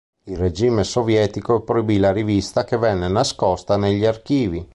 Il regime sovietico proibì la rivista che venne nascosta negli archivi.